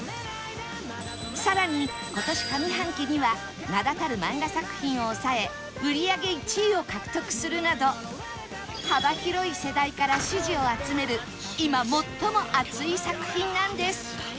さらに今年上半期には名だたる漫画作品を抑え売り上げ１位を獲得するなど幅広い世代から支持を集める今最も熱い作品なんです